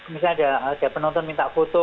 misalnya ada penonton minta foto